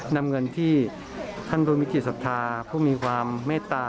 นำเงินที่ท่านบุญวิทยาศาสตราผู้มีความเมตตา